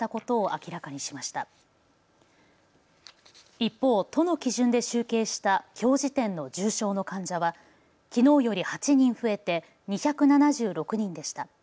一方、都の基準で集計したきょう時点の重症の患者はきのうより８人増えて２７６人でした。